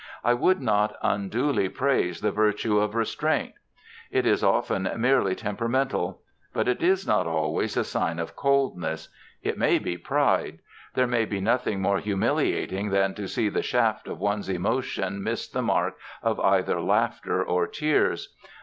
I would not unduly praise the virtue of restraint. It is often merely temperamental. But it is not always a sign of coldness. It may be pride. There can be nothing more humiliating than to see the shaft of one's emotion miss the mark of either laughter or tears.